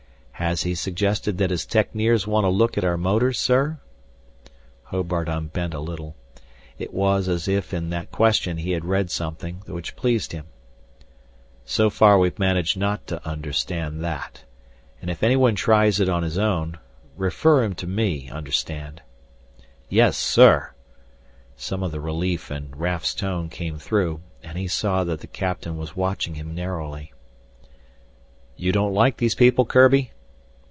"Has he suggested that his techneers want a look at our motors, sir?" Hobart unbent a little. It was as if in that question he had read something which pleased him. "So far we've managed not to understand that. And if anyone tries it on his own, refer him to me understand?" "Yes, sir!" Some of the relief in Raf's tone came through, and he saw that the captain was watching him narrowly. "You don't like these people, Kurbi?"